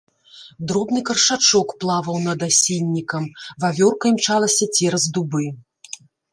Дробны каршачок плаваў над асіннікам, вавёрка імчалася цераз дубы.